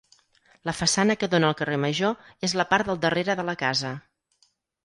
La façana que dóna al carrer Major és la part del darrere de la casa.